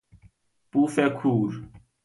بوف کور